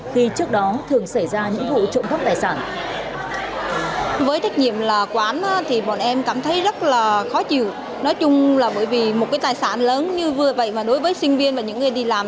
khi trước đó thường xảy ra những vụ trộm cắp tài sản